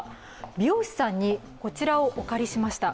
美容師さんにこちらをお借りしました。